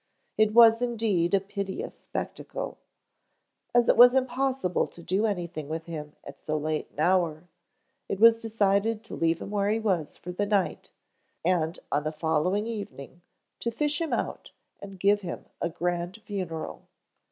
It was indeed a piteous spectacle. As it was impossible to do anything with him at so late an hour, it was decided to leave him where he was for the night, and on the following evening to fish him out and give him a grand funeral.